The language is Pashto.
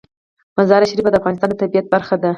مزارشریف د افغانستان د طبیعت برخه ده.